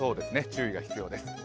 注意が必要です。